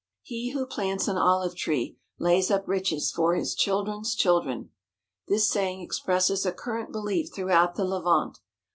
"He who plants an olive tree lays up riches for his children's children/' This saying expresses a current belief throughout the Levant.